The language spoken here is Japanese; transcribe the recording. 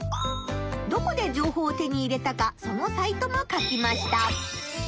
どこで情報を手に入れたかそのサイトも書きました。